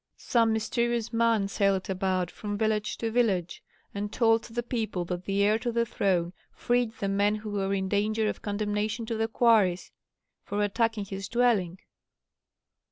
Some mysterious man sailed about from village to village and told the people that the heir to the throne freed the men who were in danger of condemnation to the quarries for attacking his dwelling.